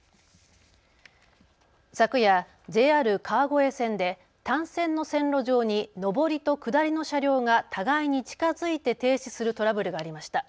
昨夜、ＪＲ川越線で単線の線路上に上りと下りの車両が互いに近づいて停止するトラブルがありました。